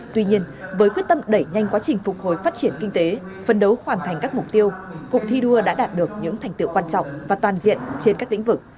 tuy nhiên với quyết tâm đẩy nhanh quá trình phục hồi phát triển kinh tế phân đấu hoàn thành các mục tiêu cục thi đua đã đạt được những thành tiệu quan trọng và toàn diện trên các lĩnh vực